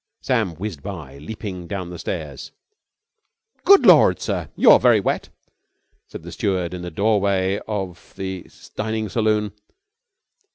Sam whizzed by, leaping down the stairs. "Good Lord, sir! You're very wet!" said a steward in the doorway of the dining saloon.